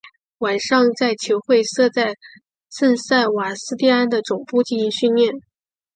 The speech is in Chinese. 晚上在球会设在圣塞瓦斯蒂安的总部进行训练。